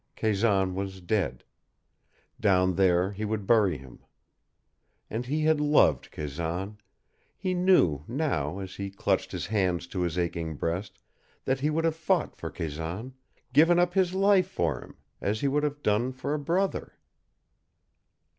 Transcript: Kazan was dead. Down there he would bury him. And he had loved Kazan; he knew, now, as he clutched his hands to his aching breast, that he would have fought for Kazan given up his life for him as he would have done for a brother.